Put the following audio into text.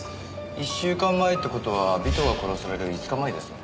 一週間前って事は尾藤が殺される５日前ですね。